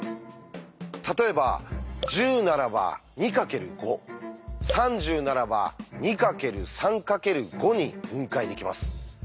例えば１０ならば２×５３０ならば２×３×５に分解できます。